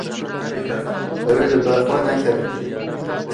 Ew ê li ber xwe nekevin.